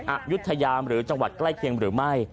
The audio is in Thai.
อายุทยามหรือจังหวัดใกล้เคียงหรือไม่